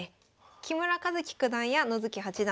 木村一基九段や野月八段